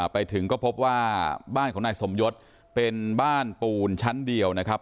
ไปถึงก็พบว่าบ้านของนายสมยศเป็นบ้านปูนชั้นเดียวนะครับ